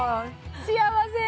幸せ！